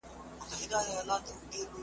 بیا به پیر د خُم له څنګه پر سر اړوي جامونه ,